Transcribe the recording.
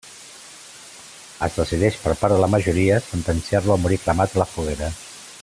Es decideix per part de la majoria sentenciar-lo a morir cremat a la foguera.